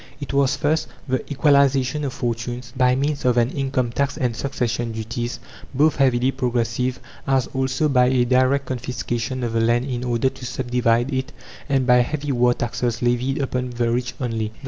It was, first, the equalization of fortunes, by means of an income tax and succession duties, both heavily progressive, as also by a direct confiscation of the land in order to sub divide it, and by heavy war taxes levied upon the rich only.